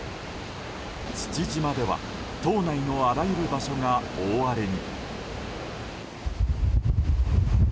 父島では、島内のあらゆる場所が大荒れに。